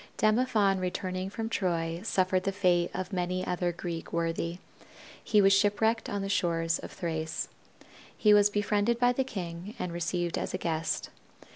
Demophon returning from Troy suffered the fate of many another Greek worthy. He was ship wrecked on the shores of Thrace. He was befriended by the king and received as a guest.